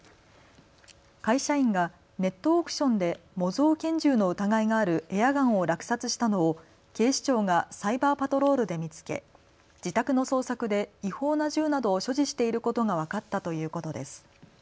会社員がネットオークションで模造拳銃の疑いがあるエアガンを落札したのを警視庁がサイバーパトロールで見つけ、自宅の捜索で違法な銃などを所持していることが分かったということです。